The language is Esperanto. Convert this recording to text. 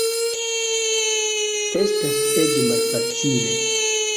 Estas ege malfacile.